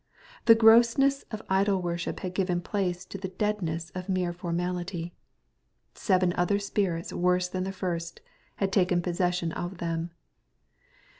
The grossness of idol worship had given place to the deadness of mere formality. Seven other spirits worse than the first, had taken possession of them.